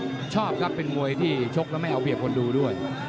ผมชอบครับเป็นมวยที่ชกแล้วไม่เอาเปรียบคนดูด้วย